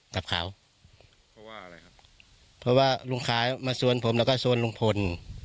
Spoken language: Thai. ก็ไม่เจอเผ็ดเจอแต่ธ่ำกับอากน้ำเท่านั้น